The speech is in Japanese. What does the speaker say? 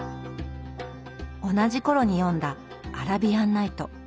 同じ頃に読んだ「アラビアン・ナイト」。